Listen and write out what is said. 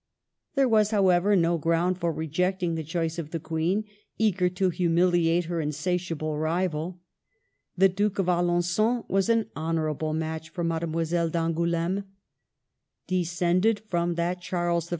There was, however, no ground for rejecting the choice of the Queen, eaeer to humiliate her insatiable rival. The Duke of Alengon was an honorable match for Mademoiselle d'Angouleme. Descended from that Charles I.